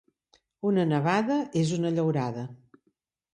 Una nevada és una llaurada.